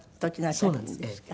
そうなんです。